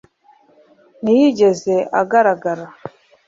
ntiyigeze agaragara